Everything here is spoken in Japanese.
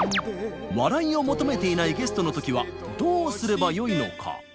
笑いを求めていないゲストの時はどうすればよいのか。